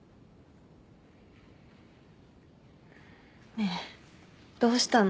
ねえどうしたの？